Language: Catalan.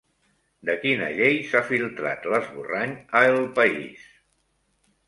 De quina llei s'ha filtrat l'esborrany a El País?